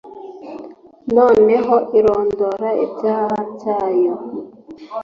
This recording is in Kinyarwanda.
noneho irondora ibyaha byayo,